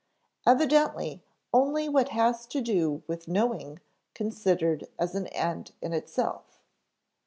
_Evidently only what has to do with knowing considered as an end in itself.